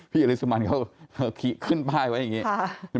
พี่อลิสมันเขาขี้ขึ้นป้ายไว้อย่างนี้